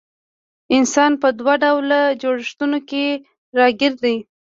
انسان په دوه ډوله جوړښتونو کي راګېر دی